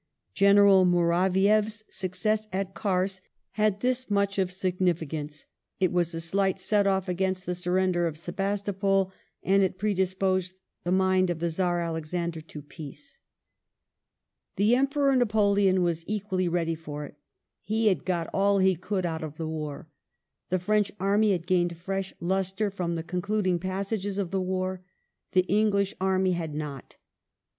General Mouravieff"s success at Kars had this much of signi ficance ; it was a slight set off* against the surrender of Sebastopol and it predisposed the mind of the Czar Alexander to peace. 248 WAR AND PEACE [1855 The Emperor Napoleon was equally ready for it He had got all he could out of the war ; the French army had gained fresh lustre from the concluding passages of the war ; the English army had not.